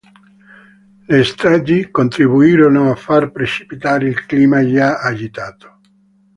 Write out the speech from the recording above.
Le stragi contribuirono a far precipitare il clima già agitato.